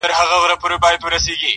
داسې پۀ ورکو ورکو ﻻرو به ترکومه ګرځې؟